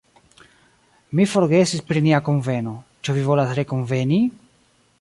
"Mi forgesis pri nia kunveno, ĉu vi volas rekunveni?"